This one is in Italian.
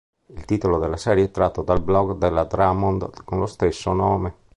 Il titolo della serie è tratto dal blog della Drummond con lo stesso nome.